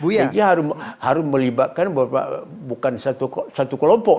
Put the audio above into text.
jadi harus melibatkan bukan satu kelompok